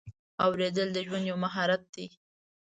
اورېدل د ژوند یو مهارت دی.